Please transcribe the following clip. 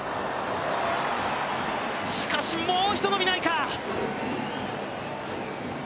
しかし、もうひと伸びないか。